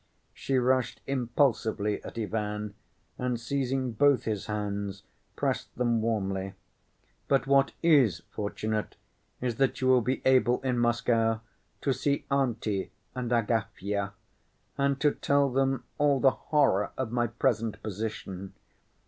She rushed impulsively at Ivan, and seizing both his hands, pressed them warmly. "But what is fortunate is that you will be able in Moscow to see auntie and Agafya and to tell them all the horror of my present position.